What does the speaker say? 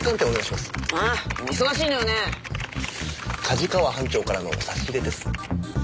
加治川班長からの差し入れです。